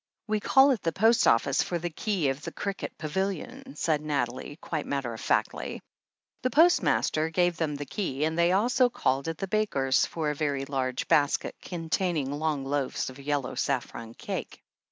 "We call at the post office for the key of the cricket pavilion," said Nathalie, quite matter of factly. The postmaster gave them the key, and they also called at the baker's for a very large basket containing long loaves of yellow saffron cake.